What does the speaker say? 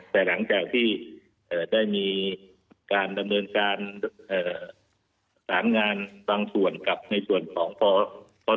แต่หลังจากที่ได้มีการดำเนินการสารงานบางส่วนกับในส่วนของพศ